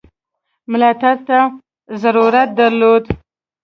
ملاتړ ته ضرورت درلود.